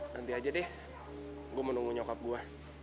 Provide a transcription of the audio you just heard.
nanti aja deh gue menunggu nyokap gue